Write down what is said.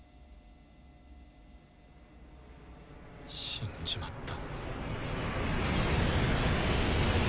死んじまった。